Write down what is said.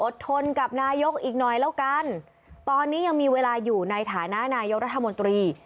ทนกับนายกอีกหน่อยแล้วกันตอนนี้ยังมีเวลาอยู่ในฐานะนายกรัฐมนตรี